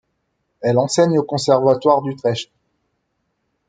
Elle enseigne au Conservatoire d'Utrecht.